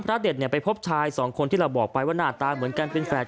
พระเด็จไปพบชายสองคนที่เราบอกไปว่าน่าตาเหมือนกันเป็นแฟน